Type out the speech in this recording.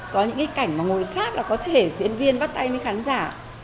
có những cái cảnh mà ngồi sát là có thể diễn viên bắt tay với khán giả